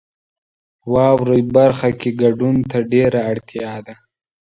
واورئ برخه کې ګډون ته ډیره اړتیا ده.